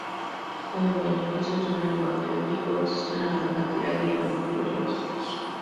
Como beneficios de un lenguaje lógico, existe una gran cantidad de conectivos lógicos.